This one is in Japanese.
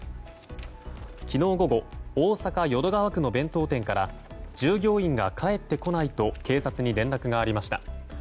昨日午後、大阪・淀川区の弁当店から従業員が帰ってこないと警察に連絡がありました。